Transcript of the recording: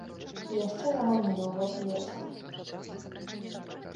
І яшчэ гаманілі ў гэты вечар.